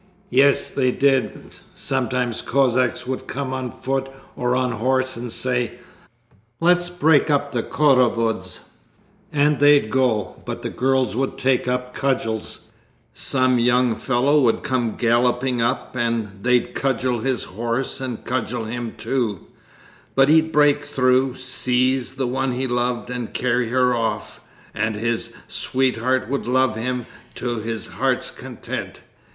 'Yes, they did! Sometimes Cossacks would come on foot or on horse and say, "Let's break up the khorovods," and they'd go, but the girls would take up cudgels. Carnival week, some young fellow would come galloping up, and they'd cudgel his horse and cudgel him too. But he'd break through, seize the one he loved, and carry her off. And his sweetheart would love him to his heart's content!